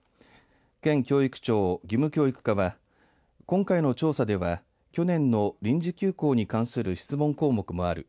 県教育庁義務教育課は今回の調査では去年の臨時休校に関する質問項目もある。